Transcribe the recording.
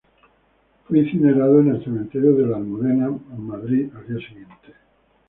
Fue incinerado en el Cementerio de La Almudena de Madrid al día siguiente.